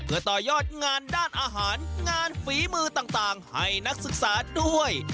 เพื่อต่อยอดงานด้านอาหารงานฝีมือต่างให้นักศึกษาด้วย